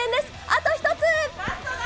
あと１つ！